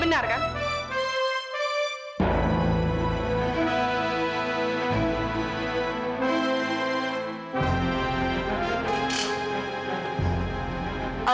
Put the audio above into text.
menullikan si astagfirullah